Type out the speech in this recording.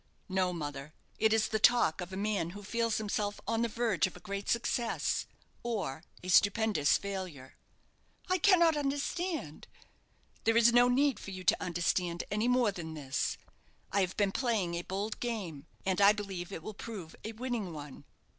"No, mother, it is the talk of a man who feels himself on the verge of a great success or a stupendous failure." "I cannot understand " "There is no need for you to understand any more than this: I have been playing a bold game, and I believe it will prove a winning one."